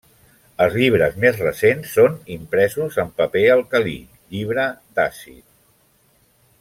Els llibres més recents són impresos en paper alcalí, llibre d'àcid.